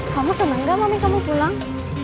kamu seneng gak mami kamu pulang